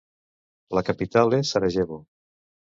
La capital és Sarajevo.